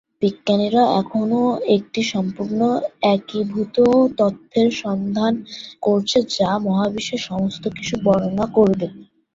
বিজ্ঞানীরা এখনও একটি সম্পূর্ণ একীভূত তত্ত্বের সন্ধান করছেন যা মহাবিশ্বের সমস্ত কিছু বর্ণনা করবে।